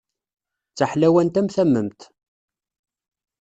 D taḥlawant am tamemt.